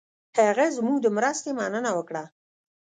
هغه زموږ د مرستې مننه وکړه.